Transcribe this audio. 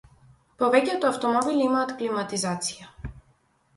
Повеќето автомобили имаат климатизација.